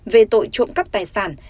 về tội trộm cắp tài sản